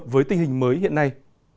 với tình hình mới hiện nay